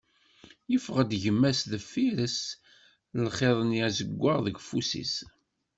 Iffeɣ-d gma-s deffir-s, s lxiḍ-nni azeggaɣ deg ufus-is.